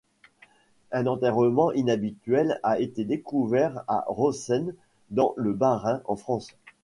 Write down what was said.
Un enterrement inhabituel a été découvert à Rosheim, dans le Bas-Rhin, en France.